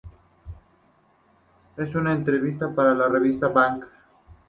En una entrevista para la revista Bang!